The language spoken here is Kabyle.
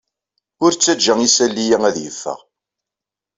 Ur ttajja isali-a ad yeffeɣ.